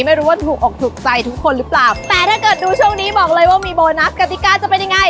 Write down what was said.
ไม่รู้ว่าถูกออกถูกใจทุกคนหรือเปล่าแต่ถ้าเกิดดูช่วงนี้บอกเลยว่ามีโบนัสกติกาจะเป็นยังไง